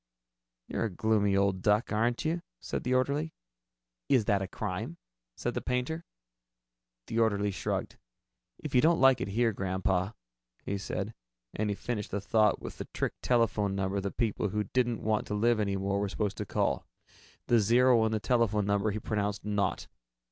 "You're a gloomy old duck, aren't you?" said the orderly. "Is that a crime?" said the painter. The orderly shrugged. "If you don't like it here, Grandpa " he said, and he finished the thought with the trick telephone number that people who didn't want to live any more were supposed to call. The zero in the telephone number he pronounced "naught."